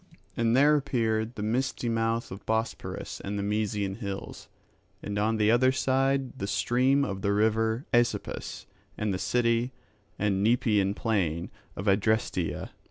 And there appeared the misty mouth of Bosporus and the Mysian hills; and on the other side the stream of the river Aesepus and the city and Nepeian plain of Adrasteia.